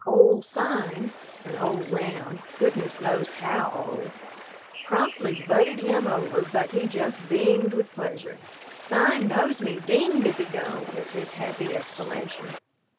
"Old Sime," an old ram (goodness knows how old!), promptly butted him over, but he just beamed with pleasure. "Sime knows me, dinged if he don't!" was his happy exclamation.